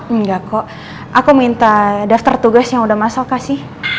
enggak kok aku minta daftar tugas yang udah masuk kasih